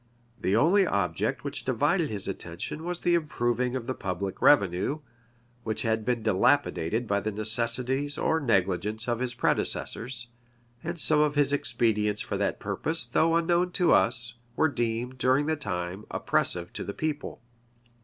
The only object which divided his attention was the improving of the public revenue, which had been dilapidated by the necessities or negligence of his predecessors; and some of his expedients for that purpose, though unknown to us, were deemed, during the time, oppressive to the people.